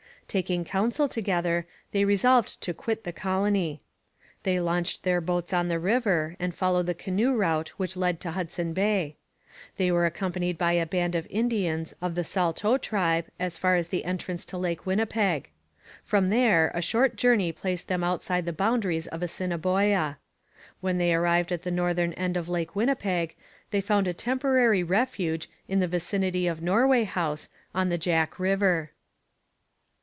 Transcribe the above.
Taking counsel together, they resolved to quit the colony. They launched their boats on the river, and followed the canoe route which led to Hudson Bay. They were accompanied by a band of Indians of the Saulteaux tribe as far as the entrance to Lake Winnipeg. From there a short journey placed them outside the boundaries of Assiniboia. When they arrived at the northern end of Lake Winnipeg they found a temporary refuge, in the vicinity of Norway House, on the Jack river.